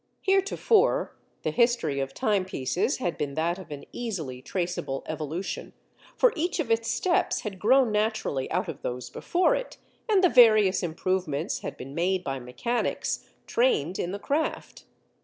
Heretofore, the history of timepieces had been that of an easily traceable evolution, for each of its steps had grown naturally out of those before it, and the various improvements had been made by mechanics trained in the craft.